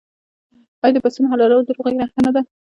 آیا د پسونو حلالول د روغې نښه نه ده؟